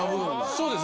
そうです。